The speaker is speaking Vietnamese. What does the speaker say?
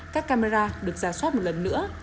các camera được ra soát một lần nữa